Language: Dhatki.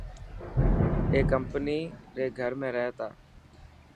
اي ڪمپني ري گهر ۾ رهي تا.